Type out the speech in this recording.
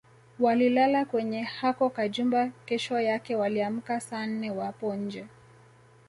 Walilala kwenye hako kajumba kesho yake waliamka saa nne wapo nje